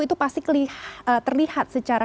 itu pasti terlihat secara